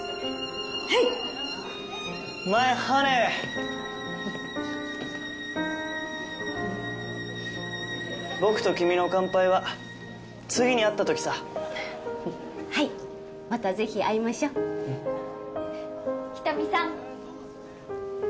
はいマイハニー僕と君の乾杯は次に会ったときさはいまたぜひ会いましょう人見さん